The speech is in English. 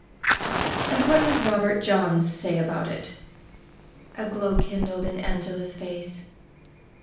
"And what does Robert Johns say about it?" A glow kindled in Angela's face.